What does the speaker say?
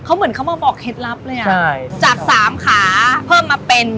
เขาเหมือนเขามาบอกเคล็ดลับเลยอ่ะใช่จากสามขาเพิ่มมาเป็น